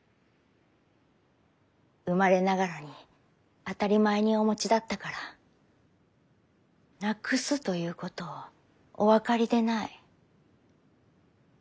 生まれながらに当たり前にお持ちだったから「なくす」ということをお分かりでない。